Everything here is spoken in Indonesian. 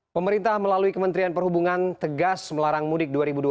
pemerintah melalui kementerian perhubungan tegas melarang mudik dua ribu dua puluh